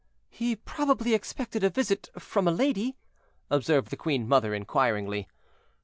"He probably expected a visit from a lady?" observed the queen mother, inquiringly.